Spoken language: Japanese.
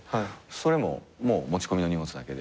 それも持ち込みの荷物だけで。